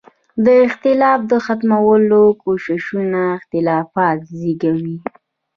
د اختلاف د ختمولو کوششونه اختلافات زېږوي.